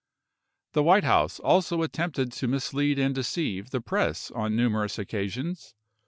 The White House also attempted to mislead and deceive the press on numerous occasions.